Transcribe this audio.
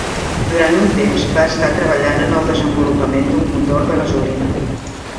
Durant un temps va estar treballant en el desenvolupament d'un motor de gasolina.